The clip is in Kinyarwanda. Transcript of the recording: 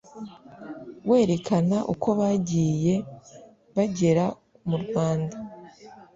werekana uko bagiye bagera mu Rwanda